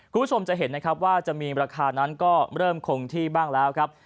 คุณผู้ชมจะเห็นนะครับว่าจะมีราคานั้นก็เริ่มคงที่บ้างแล้วครับ